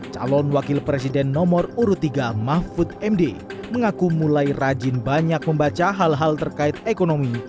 calon wakil presiden nomor urut tiga mahfud md mengaku mulai rajin banyak membaca hal hal terkait ekonomi